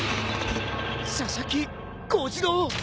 佐々木小次郎！